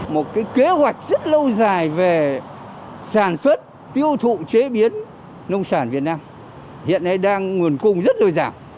một cái kế hoạch rất lâu dài về sản xuất tiêu thụ chế biến nông sản việt nam hiện nay đang nguồn cung rất dồi dào